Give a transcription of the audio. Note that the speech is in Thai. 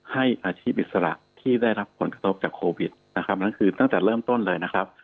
ให้อาชีพอิสระที่ได้รับผลกระทบจากโควิดนะครับนั่นคือตั้งแต่เริ่มต้นเลยนะครับ